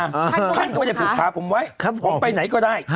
อ่าท่านก็ไม่ได้ผูกขาผมไว้ครับผมผมไปไหนก็ได้ฮะ